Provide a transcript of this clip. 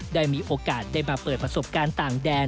ได้มีโอกาสได้มาเปิดประสบการณ์ต่างแดน